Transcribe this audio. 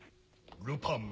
ルパンめ